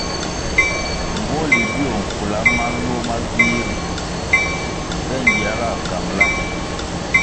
Mbpohli bio mfula maluo ma vih ri é ngiehga nğangla.